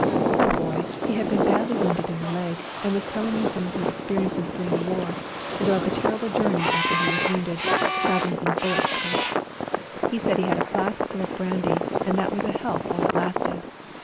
Poor boy, he had been badly wounded in the leg, and was telling me some of his experiences during the war and about the terrible journey after he was wounded, travelling in a bullock cart. He said he had a flask full of brandy, and that was a help while it lasted.